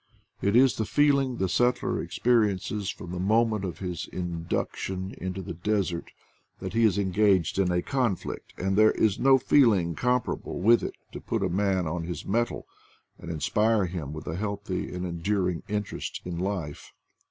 It is the feeling the settler experiences from the moment of his induction into the desert that he is engaged in a conflict, and there is no feeling comparable with it to put a man on his mettle and inspire him with a healthy and endur ing interest in life.